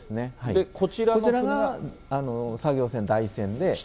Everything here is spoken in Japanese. こちらが作業船、台船で。